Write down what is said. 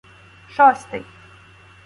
Шостий